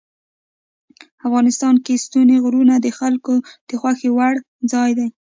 افغانستان کې ستوني غرونه د خلکو د خوښې وړ ځای دی.